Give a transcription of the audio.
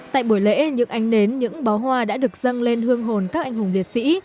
tại buổi lễ những ánh nến những bó hoa đã được dâng lên hương hồn các anh hùng liệt sĩ